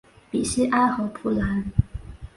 比西埃和普兰。